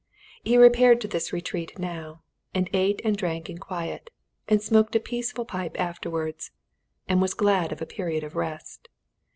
He repaired to this retreat now, and ate and drank in quiet, and smoked a peaceful pipe afterwards, and was glad of a period of rest.